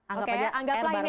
anggap aja air barbell ya